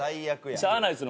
しゃあないですね